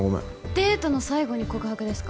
デートの最後に告白ですか？